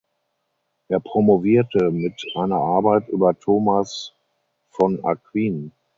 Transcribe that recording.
Er promovierte mit einer Arbeit über Thomas von Aquin.